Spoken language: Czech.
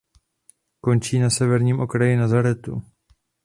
Končí na severním okraji Nazaretu.